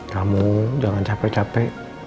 kamu jangan capek capek